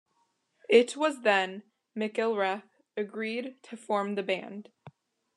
It was then McIlrath agreed to form the band.